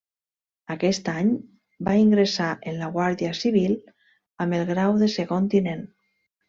Aquest any va ingressar en la Guàrdia Civil amb el grau de Segon Tinent.